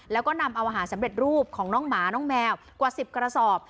แล้วก็นำเอาอาหารสำเร็จรูปของน้องหมาน้องแมวกว่า๑๐กระสอบ